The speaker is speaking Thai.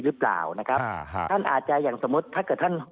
หรือเปล่านะครับอ่าครับท่านอาจจะอย่างสมมุติถ้าเกิดท่าน